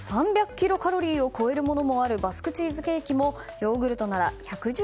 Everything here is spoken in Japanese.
キロカロリーを超えるものもあるバスクチーズケーキもヨーグルトなら１１０